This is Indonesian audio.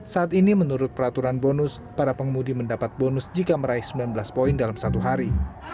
saat ini menurut peraturan bonus para pengemudi mendapat bonus jika meraih sembilan belas poin dalam satu hari